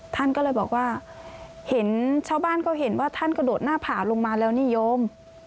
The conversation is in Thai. ท่านก็เลยบอกว่าเห็นชาวบ้านก็เห็นว่าท่านกระโดดหน้าผ่าลงมาแล้วนิยม